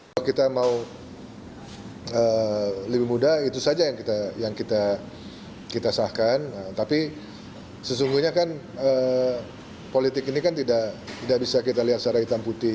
kalau kita mau lebih muda itu saja yang kita sahkan tapi sesungguhnya kan politik ini kan tidak bisa kita lihat secara hitam putih